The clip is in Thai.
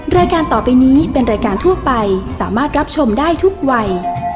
รายการต่อไปนี้เป็นรายการทั่วไปสามารถรับชมได้ทุกวัย